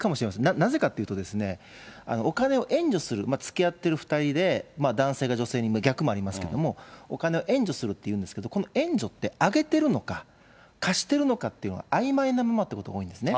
なぜかというと、お金を援助する、つきあってる２人で、男性が女性に、逆もありますけど、お金を援助するっていうんですけれども、この援助って、あげてるのか、貸してるのかっていうのかあいまいなままってことが多いんですね。